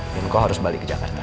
dan kau harus balik ke jakarta